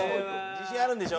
自信あるんでしょ？